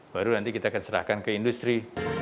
baru nanti kita akan serahkan ke industri